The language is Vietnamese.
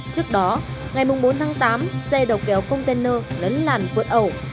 trước đó ngày bốn tháng tám xe đầu kéo container lấn làn vượt ẩu